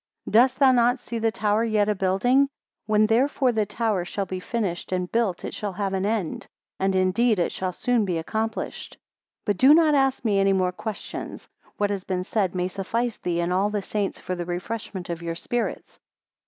Dost thou not see the tower yet a building? When therefore the tower shall be finished, and built, it shall have an end; and indeed it shall soon be accomplished. 94 But do not ask me any more questions. What has been said may suffice thee and all the saints for the refreshment of your spirits.